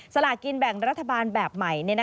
สลากินแบ่งรัฐบาลแบบใหม่